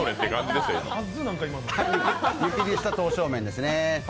湯切りした刀削麺ですね。